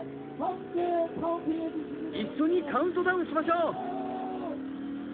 一緒にカウントダウンしましょう。